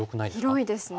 広いですね。